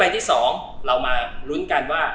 ที่๒เรามาลุ้นกันว่า